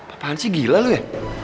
apaan sih gila lu ya